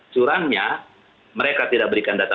curangnya mereka tidak berikan data